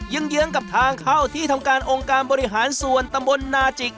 เยื้องกับทางเข้าที่ทำการองค์การบริหารส่วนตำบลนาจิก